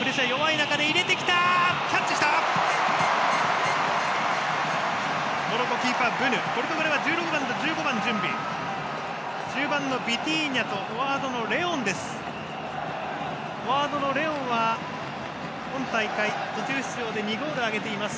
中盤のビティーニャとフォワードのレオンです。